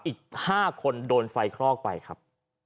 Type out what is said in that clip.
อีก๕คนโดนไฟคลอกไปครับ